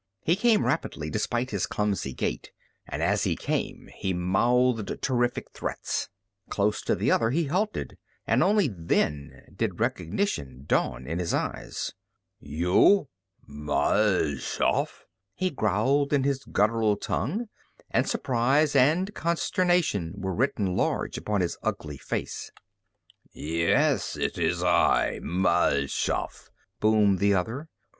He came rapidly despite his clumsy gait, and as he came he mouthed terrific threats. Close to the other he halted and only then did recognition dawn in his eyes. "You, Mal Shaff?" he growled in his guttural tongue, and surprise and consternation were written large upon his ugly face. "Yes, it is I, Mal Shaff," boomed the other.